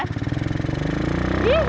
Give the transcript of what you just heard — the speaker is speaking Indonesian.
yeay lanjut lanjut